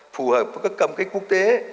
phù hợp với các cam kế quốc tế